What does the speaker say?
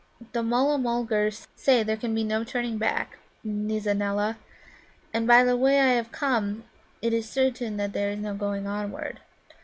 "The Mulla mulgars say there can be no turning back, Nizza neela. And, by the way I have come, it is certain that there is no going onward.